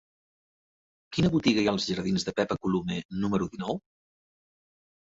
Quina botiga hi ha als jardins de Pepa Colomer número dinou?